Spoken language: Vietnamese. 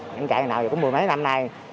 chạy ngày nào giờ cũng mười mấy năm nay